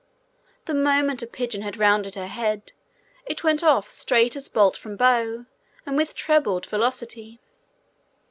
The moment a pigeon had rounded her head, it went off straight as bolt from bow, and with trebled velocity.